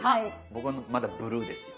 僕はまだブルーですよ。